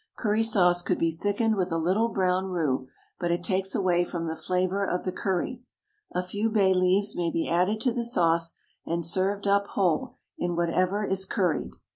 Curry sauce could be thickened with a little brown roux, but it takes away from the flavour of the curry. A few bay leaves may be added to the sauce and served up whole in whatever is curried.